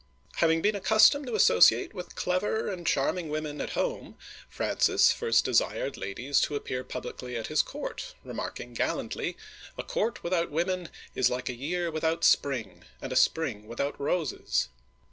Having been accustomed to associate with clever, and charming women at home, Francis first desired ladies to appear publicly at his court, remarking gallantly, "A court without women is like a year without spring, and a spring without roses